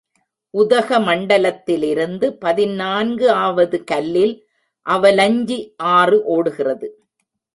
உதகமண்டலத்திலிருந்து பதினான்கு ஆவது கல்லில் அவலஞ்சி ஆறு ஓடுகிறது.